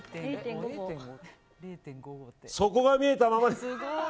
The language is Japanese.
底が見えたまま。